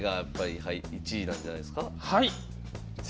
はい！